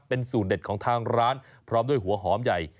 เป็นสูตรเด็ดของทางร้านพร้อมด้วยหัวหอมใหญ่